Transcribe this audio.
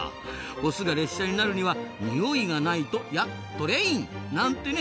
オスが列車になるにはニオイがないとやっトレイン。なんてね。